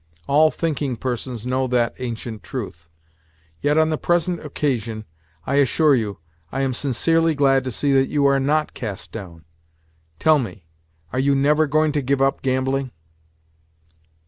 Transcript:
All thinking persons know that ancient truth. Yet, on the present occasion, I assure you, I am sincerely glad to see that you are not cast down. Tell me, are you never going to give up gambling?"